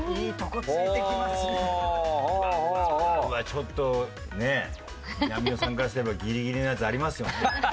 ちょっとね南野さんからすればギリギリのやつありますよ。